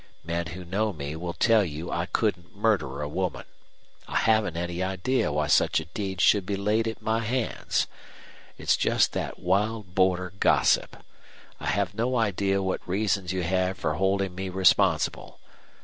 Men who know me will tell you I couldn't murder a woman. I haven't any idea why such a deed should be laid at my hands. It's just that wild border gossip. I have no idea what reasons you have for holding me responsible.